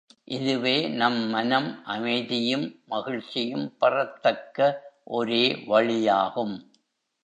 இதுவே நம் மனம் அமைதியும் மகிழ்ச்சியும் பெறத்தக்க ஒரே வழியாகும்.